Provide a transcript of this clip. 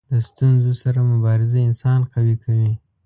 د ستونزو سره مبارزه انسان قوي کوي.